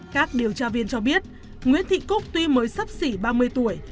các điều tra viên cho biết nguyễn thị cúc tuy mới sấp xỉ ba mươi tuổi